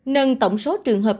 nâng tổng số trường hợp